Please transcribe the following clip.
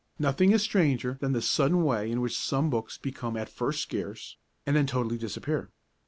Nothing is stranger than the sudden way in which some books become at first scarce, and then totally disappear.